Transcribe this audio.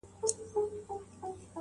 نه خبره یې پر باز باندي اثر کړي!.